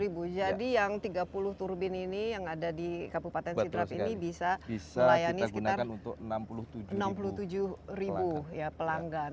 lima puluh ribu jadi yang tiga puluh turbin ini yang ada di kabupaten sidrap ini bisa melayani sekitar enam puluh tujuh ribu pelanggan